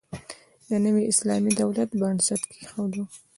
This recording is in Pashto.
د نوي اسلامي دولت بنسټ کېښود.